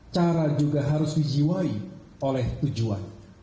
cara juga harus dijiwai oleh tujuan